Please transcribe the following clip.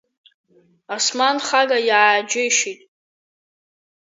Осман хага иааџьеишьеит…